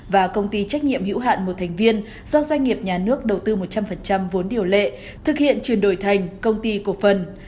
và công ty trách nhiệm hữu hạn một thành viên do doanh nghiệp nhà nước đầu tư một trăm linh vốn điều lệ thực hiện chuyển đổi thành công ty cổ phần